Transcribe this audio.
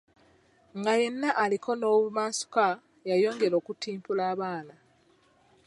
Nga yenna aliko n’obumansuka yayongera okutimpula abaana.